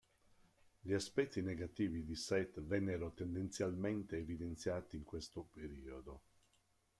Gli aspetti negativi di Seth vennero tendenzialmente evidenziati in questo periodo.